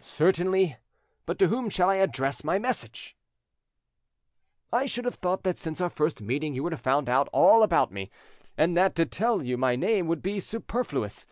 "Certainly. But to whom shall I address my message?" "I should have thought that since our first meeting you would have found out all about me, and that to tell you my name would be superfluous.